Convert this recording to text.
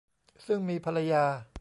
ซึ่งมีภรรยา